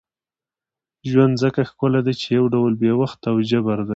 ژوند ځکه ښکلی دی چې یو ډول بې وخته او جبر دی.